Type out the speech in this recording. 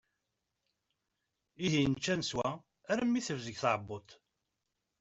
Ihi nečča neswa, armi tebzeg tɛebbuḍt.